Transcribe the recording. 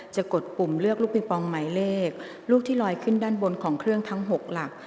กดปุ่มเลือกลูกปิงปองหมายเลขลูกที่ลอยขึ้นด้านบนของเครื่องทั้ง๖หลัก